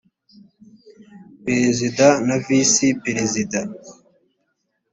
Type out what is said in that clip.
perezida na visi perezida